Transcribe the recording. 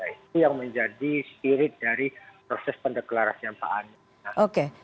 itu yang menjadi spirit dari proses pendeklarasian pak anies